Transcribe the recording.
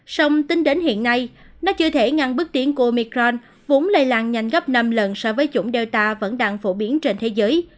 sông tính đến hiện nay nó chưa thể ngăn bước tiến của micron vốn lây lan nhanh gấp năm lần so với chủng delta vẫn đang phổ biến trên thế giới